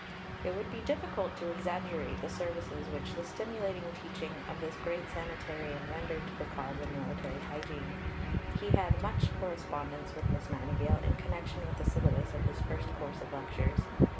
It would be difficult to exaggerate the services which the stimulating teaching of this great sanitarian rendered to the cause of military hygiene. He had much correspondence with Miss Nightingale in connection with the syllabus of his first course of lectures.